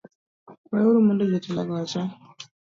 Weuru mondo jotelogo ocha